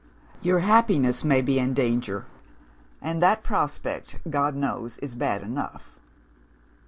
Your happiness may be in danger and that prospect, God knows, is bad enough.